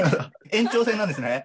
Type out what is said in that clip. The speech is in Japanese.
延長戦なんですね。